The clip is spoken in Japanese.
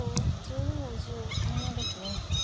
ケイマですね。